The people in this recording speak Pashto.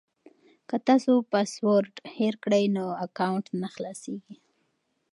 که تاسو پاسورډ هېر کړئ نو اکاونټ نه خلاصیږي.